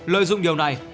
lợi dụng điều này